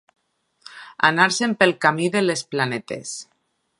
Anar-se'n pel camí de les Planetes.